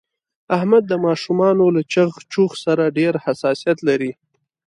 احمد د ماشومانو له چغ چوغ سره ډېر حساسیت لري.